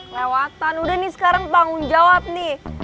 lewatan udah nih sekarang tanggung jawab nih